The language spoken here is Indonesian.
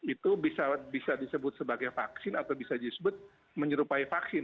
itu bisa disebut sebagai vaksin atau bisa disebut menyerupai vaksin